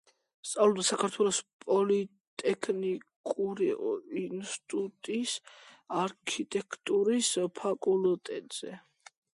სწავლობდა საქართველოს პოლიტექნიკური ინსტიტუტის არქიტექტურის ფაკულტეტზე.